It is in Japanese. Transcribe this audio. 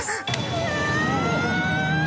・うわ。